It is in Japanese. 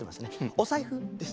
お財布です。